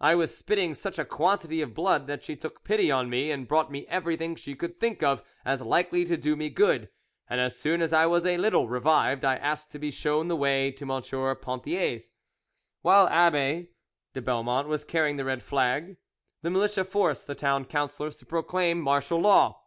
I was spitting such a quantity of blood that she took pity on me and brought me everything she could think of as likely to do me good, and as soon as I was a little revived I asked to be shown the way to M. Ponthier's." While Abbe de Belmont was carrying the red flag the militia forced the Town Councillors to proclaim martial law.